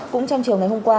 cũng trong chiều ngày hôm qua